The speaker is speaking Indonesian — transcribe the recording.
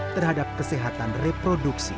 terhadap kesehatan reproduksi